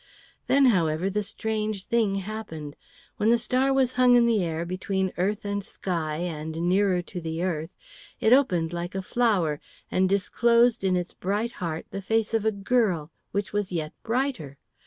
Then, however, the strange thing happened. When the star was hung in the air between earth and sky and nearer to the earth, it opened like a flower and disclosed in its bright heart the face of a girl, which was yet brighter.